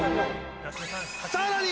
さらに！